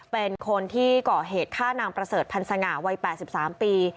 เป็นคนที่ก่อเหตุฆ่านางประเสริฐพันธ์สง่าวัย๘๓ปี